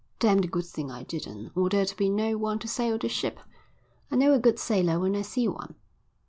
"Damned good thing I didn't, or there'd be no one to sail the ship. I know a good sailor when I see one."